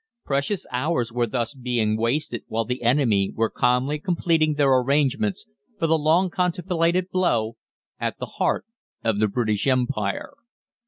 Precious hours were thus being wasted while the enemy were calmly completing their arrangements for the long contemplated blow at the heart of the British Empire.